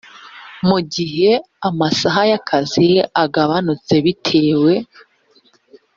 mu gihe amasaha y akazi agabanutse bitewe